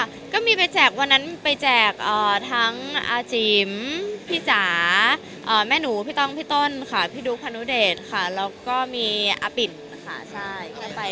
อ๋อค่ะก็มีไปแจกก็มีไปแจกทั้งอาจีมพี่จ๋าแม่หนูคมปิดต้นค่ะพี่ดุคมพันดุเดชค่ะแล้วก็มีอปิดนะคะ